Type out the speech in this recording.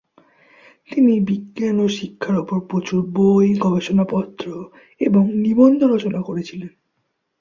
তিনি বিজ্ঞান ও শিক্ষার উপর প্রচুর বই, গবেষণাপত্র এবং নিবন্ধ রচনা করেছিলেন।